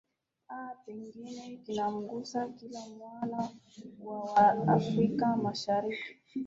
aa pengine kinamgusa kila mwana wa wa afrika mashariki